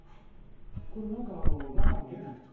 これなんか中が見えないと。